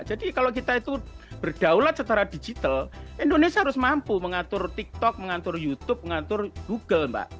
jadi kalau kita itu bergaulat secara digital indonesia harus mampu mengatur tiktok mengatur youtube mengatur google mbak